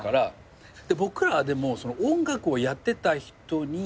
僕らはでも音楽をやってた人に。